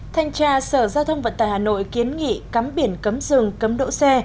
thanh tra sở giao thông vận tài hà nội kiến nghị cắm biển cấm rừng cấm đỗ xe